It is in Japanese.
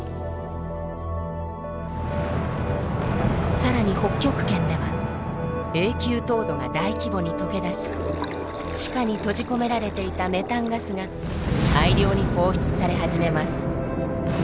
更に北極圏では永久凍土が大規模に解けだし地下に閉じ込められていたメタンガスが大量に放出され始めます。